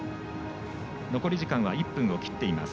残り時間は１分を切っています。